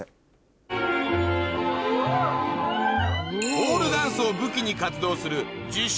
ポールダンスを武器に活動する自称